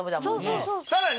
そうそうそう。